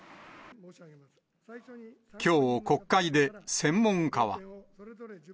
きょう、国会で専門家は。